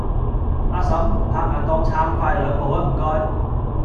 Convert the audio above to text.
阿嬸，拍硬檔撐快兩步吖唔該